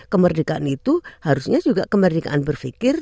kemerdekaan itu harusnya juga kemerdekaan berpikir